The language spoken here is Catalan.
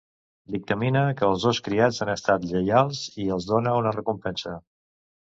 Dictamina que els dos criats han estat lleials i els dona una recompensa.